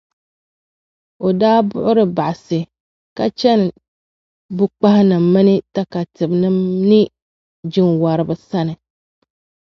o daa buɣiri baɣisi, ka chani bukpahinim’ mini takatibinim’ ni jinwariba sani.